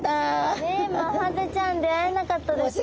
ねっマハゼちゃん出会えなかったですね。